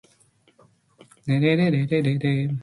Z̃hu tate nuñgi Bashran Ali.